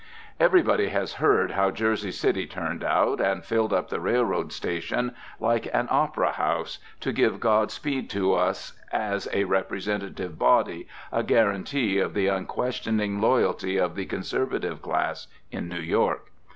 Everybody has heard how Jersey City turned out and filled up the Railroad Station, like an opera house, to give Godspeed to us as a representative body, a guaranty of the unquestioning loyalty of the "conservative" class in New York.